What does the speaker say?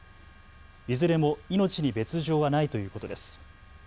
いずれも命に別状はないということです。